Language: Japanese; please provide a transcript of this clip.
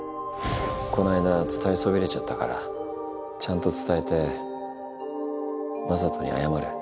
こないだ伝えそびれちゃったちゃんと伝えて眞人に謝る。